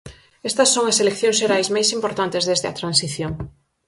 Estas son as eleccións xerais máis importantes desde a Transición.